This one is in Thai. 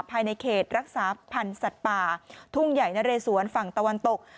ภายในเขตรักษาพันธ์สัตว์ป่าทุ่งใหญ่นะเรสวนฝั่งตะวันตก